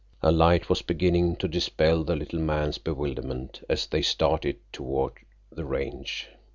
A light was beginning to dispel the little man's bewilderment as they started toward the Range.